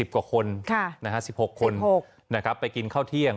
กว่าคน๑๖คนไปกินข้าวเที่ยง